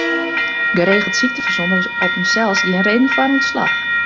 Geregeld syktefersom is op himsels gjin reden foar ûntslach.